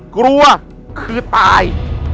กลัวคือตาย